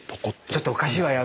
「ちょっとおかしいわよ